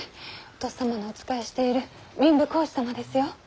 とっさまのお仕えしている民部公子様ですよ。